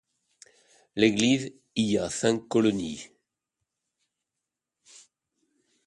L'Église y a cinq colonies.